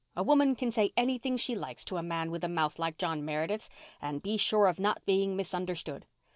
A woman can say anything she likes to a man with a mouth like John Meredith's and be sure of not being misunderstood.